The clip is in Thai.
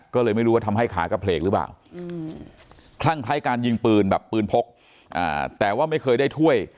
ก็เลยไม่รู้ว่าทำให้ขากระเพลกหรือเปล่าคลั่งคล้ายการยิงปืนแบบปืนพกแต่ว่าไม่เคยได้ถ้วย